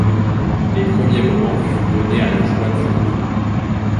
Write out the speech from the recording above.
Les premiers moments furent donnés à la joie du retour.